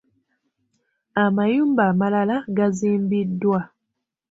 Amayumba amalala gazimbiddwa.